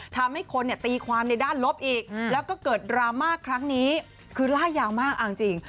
ทำให้คนตีความในด้านลบอีกแล้วก็เกิดดราม่าครั้งนี้คือล่ายาวมากเอาจริง